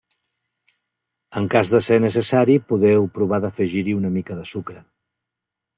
En cas de ser necessari, podeu provar d'afegir-hi una mica de sucre.